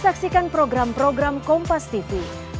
melalui siaran digital paytv dan media streaming lainnya